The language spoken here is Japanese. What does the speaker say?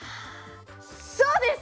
そうです！